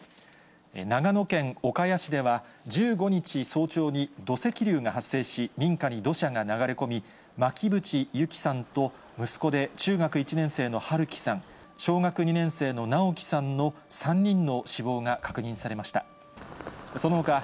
長野県岡谷市では１５日早朝に土石流が発生し、民家に土砂が流れ込み、巻渕友希さんと息子で中学１年生の春樹さん、小学２年生の尚煌さんの３人の死亡が確認されました。